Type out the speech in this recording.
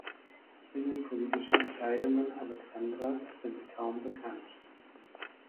Innenpolitische Entscheidungen Alexandras sind kaum bekannt.